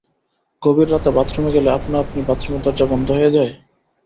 গভীর রাতে বাথরুমে গেলে আপনা-আপনি বাথরুমের দরজা বন্ধ হয়ে যায়?